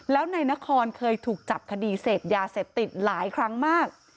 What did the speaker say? แล้วนายนครเคยถูกจับคดีเสพยาเสพติดหลายครั้งมาก